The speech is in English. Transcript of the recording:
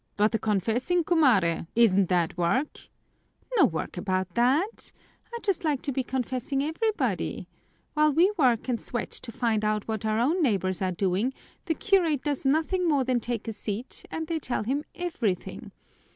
"But the confessing, cumare? Isn't that work?" "No work about that! I'd just like to be confessing everybody! While we work and sweat to find out what our own neighbors are doing, the curate does nothing more than take a seat and they tell him everything.